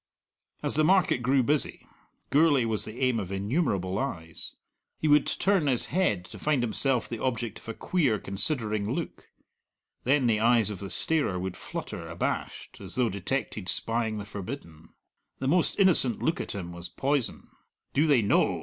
As the market grew busy, Gourlay was the aim of innumerable eyes. He would turn his head to find himself the object of a queer, considering look; then the eyes of the starer would flutter abashed, as though detected spying the forbidden. The most innocent look at him was poison. "Do they know?"